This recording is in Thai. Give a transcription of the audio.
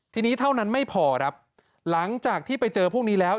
ทีนี้เท่านั้นไม่พอครับหลังจากที่ไปเจอพวกนี้แล้ว